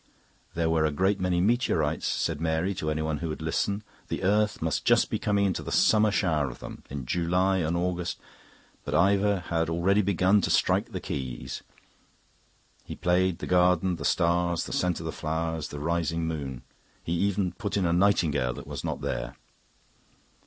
"There were a great many meteorites," said Mary to anyone who would listen. "The earth must just be coming into the summer shower of them. In July and August..." But Ivor had already begun to strike the keys. He played the garden, the stars, the scent of flowers, the rising moon. He even put in a nightingale that was not there.